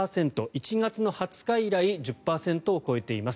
１月の２０日以来１０％を超えています。